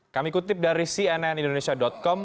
kami kutip dari cnnindonesia com